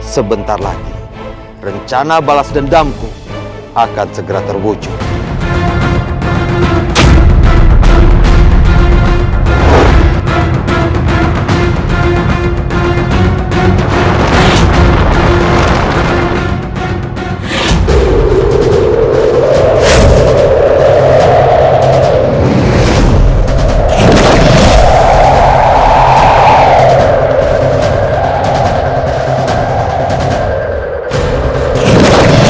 sebentar lagi rencana balas dendamku akan segera terwujud